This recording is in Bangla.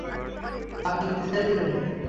আপনি, কি চাইছিলেন?